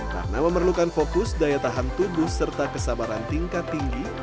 karena memerlukan fokus daya tahan tubuh serta kesabaran tingkat tinggi